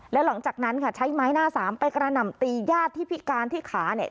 แล้วหลังจากนั้นค่ะใช้ไม้หน้าสามไปกระหน่ำตีญาติที่พิการที่ขาเนี่ย